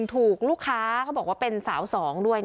ลาย๑ถูกลูกค้าเขาบอกว่าเป็นสาว๒ด้วย